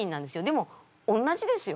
でも同じですよ。